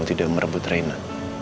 tidak merebut reina